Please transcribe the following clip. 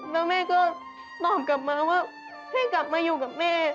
แล้วแม่ก็ตอบกลับมาว่าให้กลับมาอยู่กับแม่